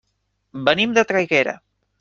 Venim de Traiguera.